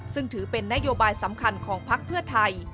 ซึ่งถือเป็นนโยบายสำคัญของพักเพื่อไทย